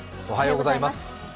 おはようございます。